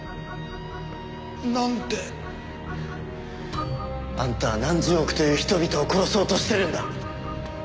なんで！？あんたは何十億という人々を殺そうとしてるんだ。